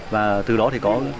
và từ đó thì có